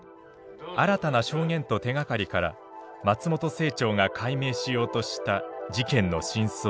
新たな証言と手がかりから松本清張が解明しようとした事件の真相を追う。